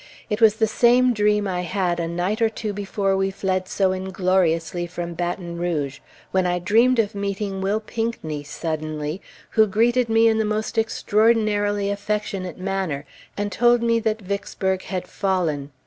It was the same dream I had a night or two before we fled so ingloriously from Baton Rouge, when I dreamed of meeting Will Pinckney suddenly, who greeted me in the most extraordinarily affectionate manner, and told me that Vicksburg had fallen.